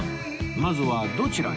まずはどちらへ？